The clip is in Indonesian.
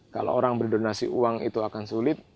kalau orang berdonasi uang itu akan sulit